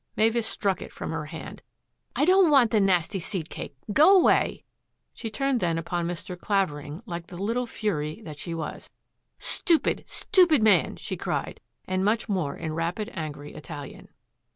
Mavis struck it from her hand. " I don't want the nasty seed Krake ! Go away !" She turned then upon Mr. Clavering like the little fury that she was. " Stupid, stupid man !" she cried, and much more in rapid, angry Italian.